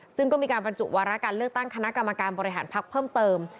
ซึ่งก็มีการบรรจุวาระการเลือกตั้งคณะกรรมการบริหารพักเพิ่มเติม